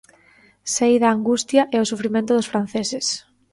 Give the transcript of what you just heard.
Sei da angustia e o sufrimento dos franceses.